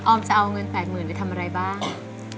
ออมจะเอาเงิน๘หมื่นเพื่อทำอะไรบ้าง